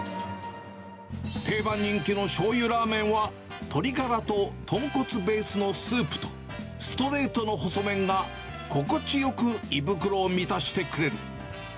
定番人気のしょうゆラーメンは、鶏がらと豚骨ベースのスープと、ストレートの細麺が心地よく胃袋を満たしてくれる。